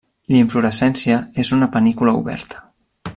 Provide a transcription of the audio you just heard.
La inflorescència és una panícula oberta.